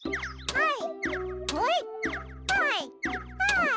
はい。